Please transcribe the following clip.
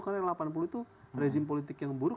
karena r delapan puluh itu rezim politik yang buruk